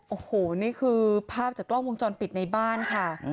โอ้โหนี่คือภาพจากกล้องวงจรปิดในบ้านค่ะ